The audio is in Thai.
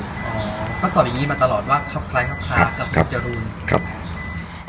เพราะตอบอย่างงี้มาตลอดว่าครับคล้ายครับคล้ากับหมวดจรูน